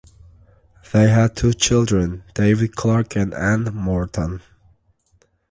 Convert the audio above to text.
They had two children, David Clark and Anne Morton.